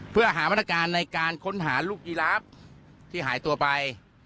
เพื่อหามาตรการในการค้นหาลูกยีราฟที่หายตัวไป